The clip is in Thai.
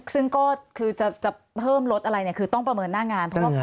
ซึ่งก็คือจะเพิ่มรถอะไรเนี่ยคือต้องประเมินหน้างานเพราะว่า